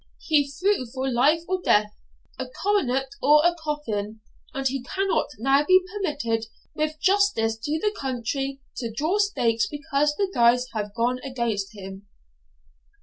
He threw for life or death, a coronet or a coffin; and he cannot now be permitted, with justice to the country, to draw stakes because the dice have gone against him.'